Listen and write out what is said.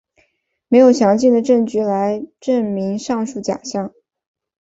没有详尽的证据来证明上述假说。